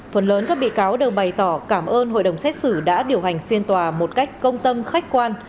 phần lớn các bị cáo đều bày tỏ cảm ơn hội đồng xét xử đã điều hành phiên tòa một cách công tâm khách quan